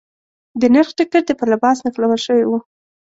د نرخ ټکټ په لباس نښلول شوی و.